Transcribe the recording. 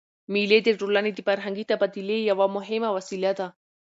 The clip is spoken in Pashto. مېلې د ټولني د فرهنګي تبادلې یوه مهمه وسیله ده.